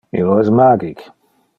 Illo es magic.